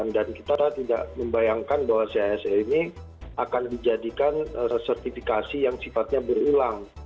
dan kita tidak membayangkan bahwa chse ini akan dijadikan sertifikasi yang sifatnya berulang